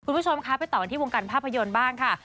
คุณผู้ชมคะไปต่อกันที่วงการภาพยนตร์บ้างค่ะ